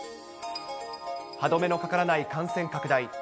歯止めのかからない感染拡大。